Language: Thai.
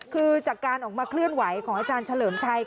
คือจากการออกมาเคลื่อนไหวของอาจารย์เฉลิมชัย